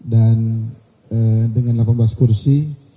dan dengan delapan belas kursi